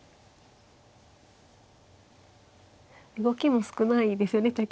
動きも少ないですよね